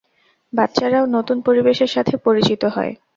বাচ্চারাও নতুন পরিবেশের সাথে পরিচিত হয়।